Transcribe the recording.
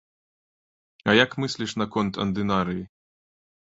А як мысліш наконт андынарыі?